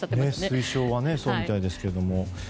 推奨はそうみたいですけども。